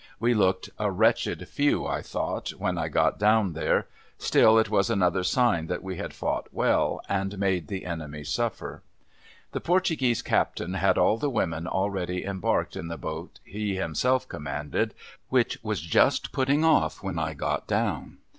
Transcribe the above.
We looked a wretched few, I thought, when I got down there ; still, it was another sign that we had fought well, and made the enemy suffer. The Portuguese Captain had all the women already embarked in the boat he himself commanded, which was just putting off when I got down.